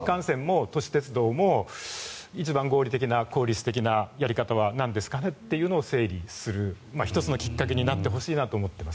だから今回のことを機にそういうことを新幹線も都市鉄道も一番合理的な効率的なやり方はなんですかねっていうのを整理する１つのきっかけになってほしいと思っています。